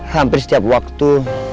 hampir setiap waktu